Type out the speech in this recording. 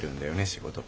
仕事。